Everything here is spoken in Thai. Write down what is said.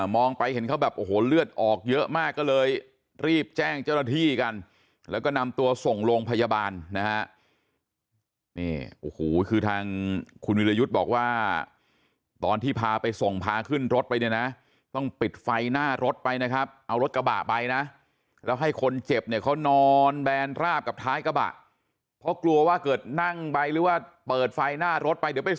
ไปเห็นเขาแบบโอ้โหเลือดออกเยอะมากก็เลยรีบแจ้งเจ้าหน้าที่กันแล้วก็นำตัวส่งโรงพยาบาลนะฮะนี่โอ้โหคือทางคุณวิรยุทธ์บอกว่าตอนที่พาไปส่งพาขึ้นรถไปเนี่ยนะต้องปิดไฟหน้ารถไปนะครับเอารถกระบะไปนะแล้วให้คนเจ็บเนี่ยเขานอนแบนราบกับท้ายกระบะเพราะกลัวว่าเกิดนั่งไปหรือว่าเปิดไฟหน้ารถไปเดี๋ยวไป